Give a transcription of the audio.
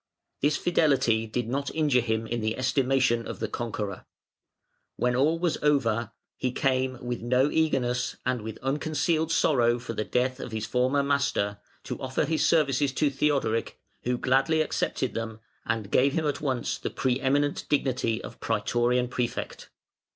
This fidelity did not injure him in the estimation of the conqueror. When all was over, he came, with no eagerness, and with unconcealed sorrow for the death of his former master, to offer his services to Theodoric, who gladly accepted them, and gave him at once the pre eminent dignity of Prætorian Prefect.